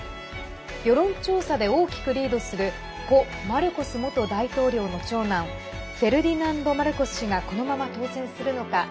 世論調査で大きくリードする故マルコス元大統領の長男フェルディナンド・マルコス氏がこのまま当選するのか。